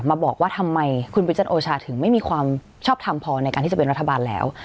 มาบอกว่าทำไมคุณประจันทร์โอชาถึงไม่มีความชอบทำพอในการที่จะเป็นรัฐบาลแล้ว